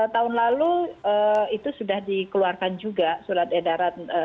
tahun lalu itu sudah dikeluarkan juga surat edaran